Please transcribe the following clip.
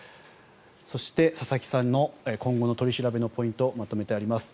そして、佐々木さんの今後の取り調べのポイントまとめてあります。